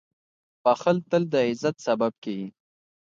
• بښل تل د عزت سبب کېږي.